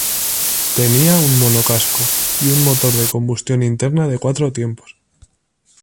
Tenía un monocasco y un Motor de combustión interna de cuatro tiempos.